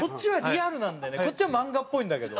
こっちは漫画っぽいんだけど。